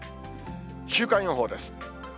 週間予報です。